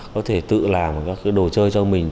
có thể tự làm các đồ chơi cho mình